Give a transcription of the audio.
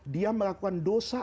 dia melakukan dosa